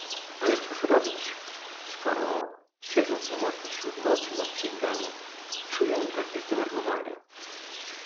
"Ale cóż robić, skoro, siedząc samotny śród nocy nad księgami, czuję takie zdenerwowanie."